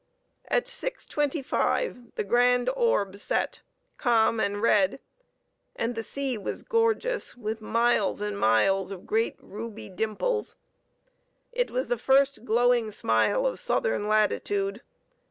At six twenty five, the grand orb set calm and red, and the sea was gorgeous with miles and miles of great ruby dimples: it was the first glowing smile of southern latitude.